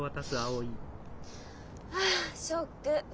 あショック！